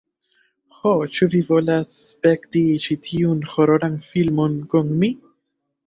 "Ho, ĉu vi volas spekti ĉi tiun hororan filmon kun mi?